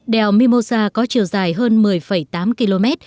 đèo mimosa có chiều dài hơn một mươi tám km